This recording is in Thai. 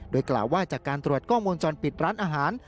โดยกล่าวว่าจากการตรวจกล้องวงจรปิดร้านอาหาร